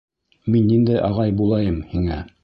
Мин ниндәй ағай булайым һиңә?